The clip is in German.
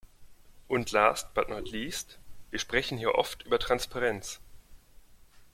Und last but not least, wir sprechen hier oft über Transparenz.